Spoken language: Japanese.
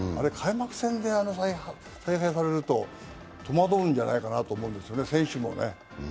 開幕戦でされると戸惑うんじゃないかなと思うんですね、選手も。